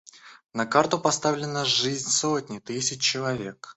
На карту поставлена жизнь сотни тысяч человек.